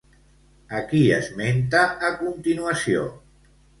A qui esmenta a continuació?